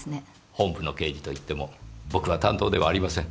本部の刑事といっても僕は担当ではありません。